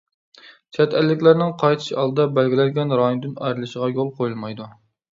چەت ئەللىكلەرنىڭ قايتىش ئالدىدا بەلگىلەنگەن رايوندىن ئايرىلىشىغا يول قويۇلمايدۇ.